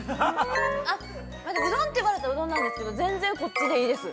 あっ、うどんと言われたら、うどんなんですけれども、全然こっちでいいです。